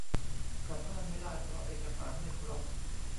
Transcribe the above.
กลับบ้านไม่ได้ เพราะเอกสารไม่ครบ